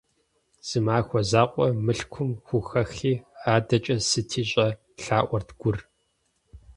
- Зы махуэ закъуэ Мылъкум хухэхи, адэкӀэ сыти щӀэ! - лъаӀуэрт Гур.